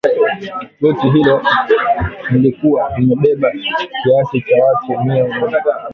Boti hiyo ilikuwa imebeba kiasi cha watu mia na arobaini na takribani watu tisini kati yao walionusurika walitambuliwa